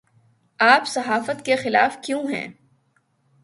آپ صحافت کے خلاف کیوں ہیں